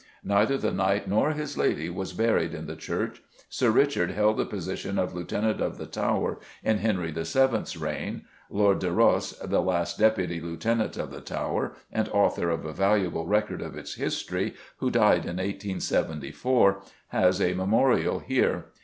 Neither the knight nor his lady was buried in the church. Sir Richard held the position of Lieutenant of the Tower in Henry VII.'s reign. Lord de Ros, the last Deputy Lieutenant of the Tower, and author of a valuable record of its history, who died in 1874, has a memorial here.